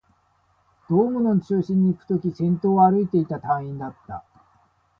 ドームの中心にいくとき、先頭を歩いていた隊員だった